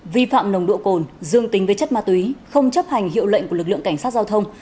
vi phạm nồng độ cồn dương tính với chất ma túy không chấp hành hiệu lệnh của lực lượng cảnh sát giao thông